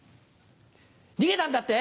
逃げたんだって？